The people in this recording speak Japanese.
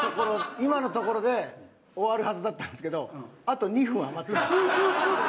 今のところで終わるはずだったんですけどあと２分余ってます。